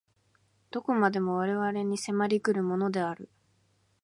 何処までも我々に迫り来るものである。